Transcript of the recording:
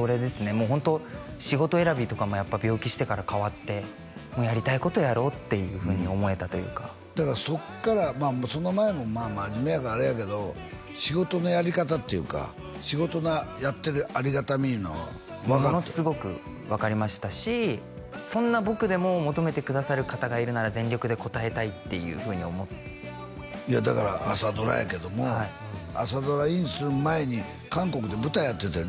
もうホント仕事選びとかもやっぱ病気してから変わってやりたいことやろうっていうふうに思えたというかだからそっからその前も真面目やからあれやけど仕事のやり方っていうか仕事をやってるありがたみいうのをものすごく分かりましたしそんな僕でも求めてくださる方がいるなら全力で応えたいっていうふうにいやだから朝ドラやけども朝ドラインする前に韓国で舞台やってたよね？